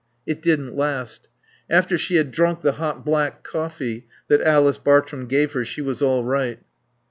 It didn't last. After she had drunk the hot black coffee that Alice Bartrum gave her she was all right.